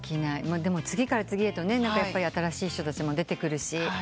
でも次から次へと新しい人たちも出てくるし。